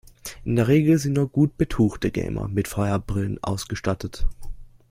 In der Regel sind nur gut betuchte Gamer mit VR-Brillen ausgestattet.